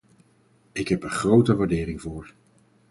Ik heb er grote waardering voor.